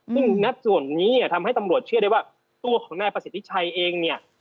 ซึ่งณส่วนนี้เนี่ยทำให้ตำรวจเชื่อได้ว่าตัวของนายประสิทธิชัยเองเนี่ย